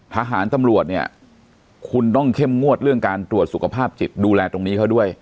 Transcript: ทหารตำรวจเนี่ยคุณต้องเข้มงวดเรื่องการตรวจสุขภาพจิตดูแลตรงนี้เขาด้วย